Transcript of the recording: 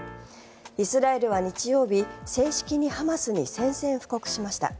イスラエルは日曜日、正式にハマスに宣戦布告しました。